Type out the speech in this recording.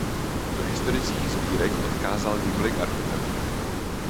Do historických sbírek odkázal několik artefaktů.